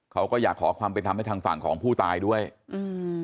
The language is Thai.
เขาก็อยากขอความเป็นธรรมให้ทางฝั่งของผู้ตายด้วยอืม